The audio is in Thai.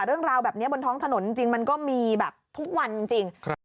เรื่องราวแบบนี้บนท้องถนนจริงมันก็มีแบบทุกวันจริง